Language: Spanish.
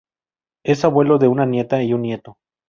Es abuelo de una nieta y un nieto.